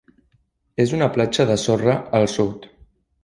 És una platja de sorra al sud.